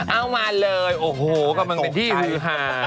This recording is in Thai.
เอามาเลยโอ้โหกำลังเป็นที่ฮือหา